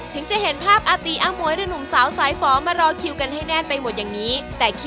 ถึงจะเห็นภาพอาตีอามวยหรือหนุ่มสาวสายฝอมารอคิวกันให้แน่นไปหมดอย่างนี้